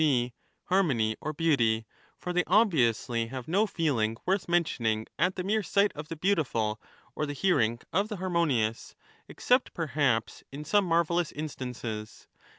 g. harmony or beauty ; for they obviously have no feeling worth mentioning at the mere sight of the beautiful or the hearing of the harmonious, except, perhaps, in some mar vellous instances.